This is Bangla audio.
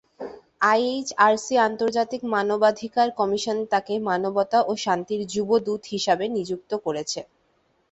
আইএইচআরসি-আন্তর্জাতিক মানবাধিকার কমিশন তাকে মানবতা ও শান্তির যুব দূত হিসাবে নিযুক্ত করেছে।